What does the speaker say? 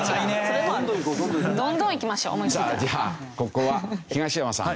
さあじゃあここは東山さん。